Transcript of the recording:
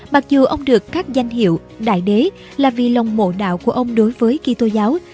mặc dù ông được các danh hiệu đại đế là vì lòng mộ đạo của ông đối với kỳ tô giáo